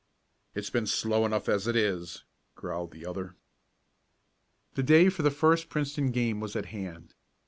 "It's been slow enough as it is," growled the other. The day for the first Princeton game was at hand.